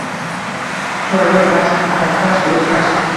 Tog‘u dasht ayqash-uyqash